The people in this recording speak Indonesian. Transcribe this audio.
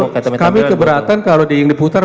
kami keberatan kalau diputar